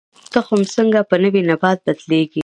تخم څنګه په نوي نبات بدلیږي؟